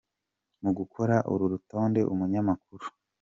Mu gukora uru rutonde umunyamakuru.